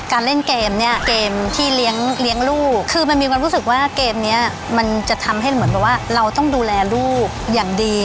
การเล่นเกมเนี่ยเกมที่เลี้ยงลูกคือมันมีความรู้สึกว่าเกมนี้มันจะทำให้เหมือนแบบว่าเราต้องดูแลลูกอย่างดี